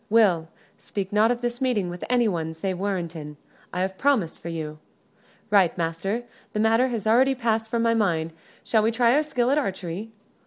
"Will, speak not of this meeting with anyone save Warrenton. I have promised for you." "Right, master; the matter has already passed from my mind. Shall we try our skill at archery?